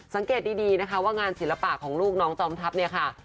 สังเกตดีนะคะว่างานศิลปะของลูกน้องจอมทัพเนี่ยค่ะ